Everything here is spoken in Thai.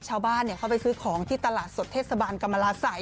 ชาวบ้านเขาไปซื้อของที่ตลาดสดเทศบาลกรรมลาศัย